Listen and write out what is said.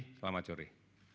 terima kasih selamat sore